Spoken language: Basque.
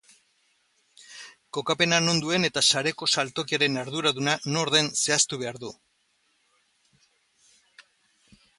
Kokapena non duen eta sareko saltokiaren arduraduna nor den zehaztu behar du.